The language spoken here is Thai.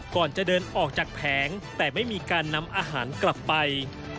ก่อนจะเดินออกจากแผงแต่ไม่มีการนำอาหารกลับไป